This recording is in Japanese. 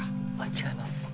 違います。